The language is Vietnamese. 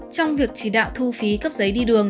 trong việc chỉ đạo thu phí cấp giấy đi đường